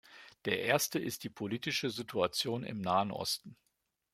Der erste ist die politische Situation im Nahen Osten.